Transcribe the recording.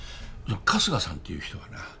春日さんっていう人がな